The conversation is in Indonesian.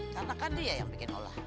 karena kan dia yang bikin olah